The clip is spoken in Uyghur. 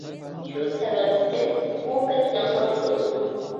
شۇ سەۋەبتىن ئۇ بەك يىغلاڭغۇ ئىدى.